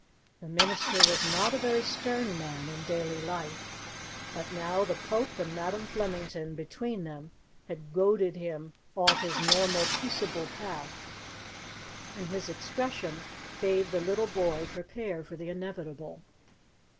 The minister was not a very stern man in daily life, but now the Pope and Madam Flemington between them had goaded him off his normal peaceable path, and his expression bade the little boy prepare for the inevitable.